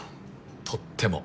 とっても。